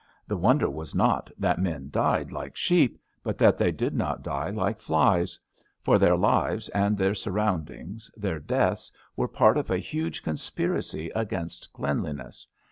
The wonder was not that men died like sheep, but that they did not die like flies; for their lives and their sur roundings, their deaths, were part of a huge con spiracy against cleanliness.